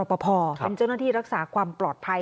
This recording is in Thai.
เป็นเจ้าหน้าที่รักษาความปลอดภัย